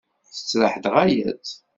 Tettraḥ-d ɣaya-tt!